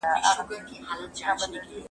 اسلامي لارښوونې باید هېرې نه سي.